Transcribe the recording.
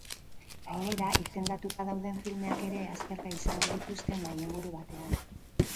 Gainera, izendatuta dauden filmeak ere aztergai izango dituzte mahai-inguru batean.